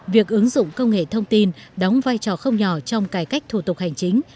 việc ứng dụng công nghệ thông tin đóng vai trò không nhỏ trong cải cách thủ tục hành chính